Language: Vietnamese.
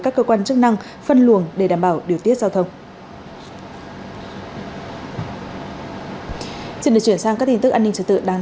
các cơ quan chức năng phân luồng để đảm bảo điều tiết giao thông